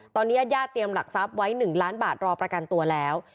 ตอนนี้ญาติญาติเตรียมหลักทรัพย์ไว้๑ล้านบาทรอประกันตัวแล้ว